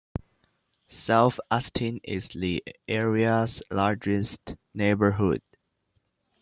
South Austin is the area's largest neighborhood.